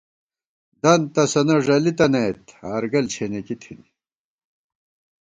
دنت تَسَنہ ݫَلی تَنَئیت، ہارگل چھېنېکی تھنی